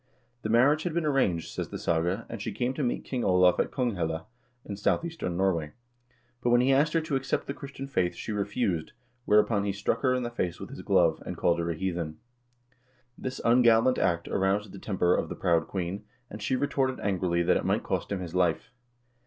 The marriage had been arranged, says the saga,1 and she came to meet King Olav in Konghelle, in south eastern Norway, but when he asked her to accept the Christian faith, she refused, whereupon he struck her in the face with his glove, and called her a heathen. This ungallant act aroused the temper of the proud queen, and she retorted angrily that it might cost him his life.